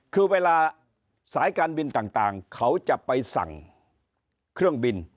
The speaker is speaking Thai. คือเวลาสายการบินต่างเขาจะไปสั่งเครื่องบิน